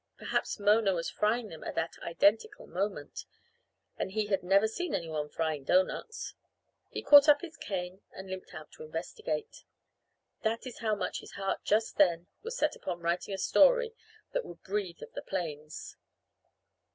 Perhaps Mona was frying them at that identical moment and he had never seen anyone frying doughnuts. He caught up his cane and limped out to investigate. That is how much his heart just then was set upon writing a story that would breathe of the plains.